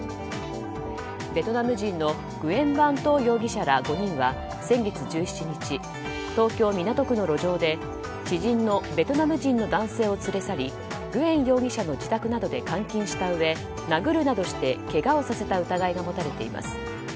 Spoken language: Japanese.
ベトナム人のグエン・バン・トー容疑者ら５人は先月１７日、東京・港区の路上で知人のベトナム人の男性を連れ去りグエン容疑者の自宅などで監禁したうえ殴るなどしてけがをさせた疑いが持たれています。